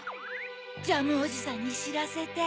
ジャムおじさんにしらせて。